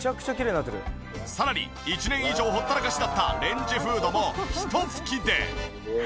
さらに１年以上ほったらかしだったレンジフードもひと拭きで。